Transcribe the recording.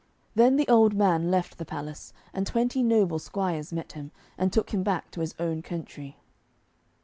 Then the old man left the palace, and twenty noble squires met him, and took him back to his own country.